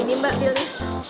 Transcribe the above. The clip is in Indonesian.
ini mbak bilnya